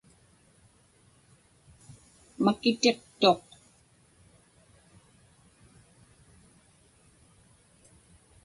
Makitiqtuq.